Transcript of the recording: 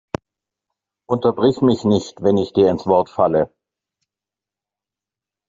Unterbrich mich nicht, wenn ich dir ins Wort falle!